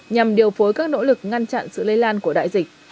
nhằm điều phối các nỗ lực ngăn chặn sự lây lan của đại dịch